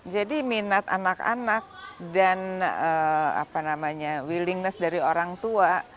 jadi minat anak anak dan apa namanya willingness dari orang tua